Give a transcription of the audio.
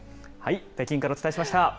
北京からお伝えしました。